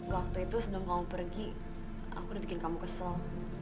waktu itu sebelum kamu pergi aku udah bikin kamu kesel